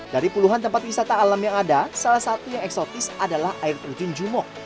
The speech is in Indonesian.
dari puluhan tempat wisata alam yang ada salah satu yang eksotis adalah air terjun jumok